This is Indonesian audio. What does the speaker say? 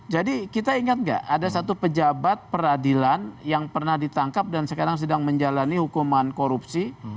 jadi kita ingat nggak ada satu pejabat peradilan yang pernah ditangkap dan sekarang sedang menjalani hukuman korupsi